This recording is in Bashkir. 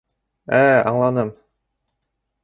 Ә-ә, аңланым.